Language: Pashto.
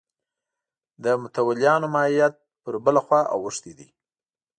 د متولیانو ماهیت پر بله خوا اوښتی دی.